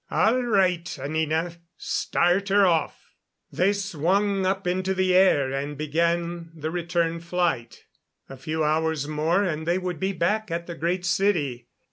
"All right, Anina. Start her off." They swung up into the air and began the return flight. A few hours more and they would be back at the Great City.